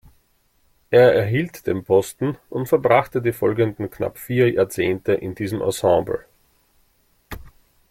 Er erhielt den Posten und verbrachte die folgenden knapp vier Jahrzehnte in diesem Ensemble.